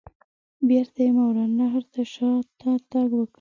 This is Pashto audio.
بیرته یې ماوراء النهر ته شاته تګ وکړ.